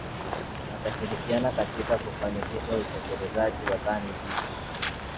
Watashirikiana katika kufanikisha utekelezaji wa dhana hii